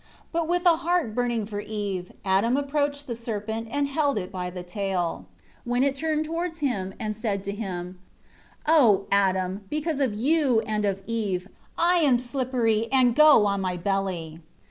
3 But with a heart burning for Eve, Adam approached the serpent, and held it by the tail; when it turned towards him and said to him: 4 "O Adam, because of you and of Eve, I am slippery, and go on my belly."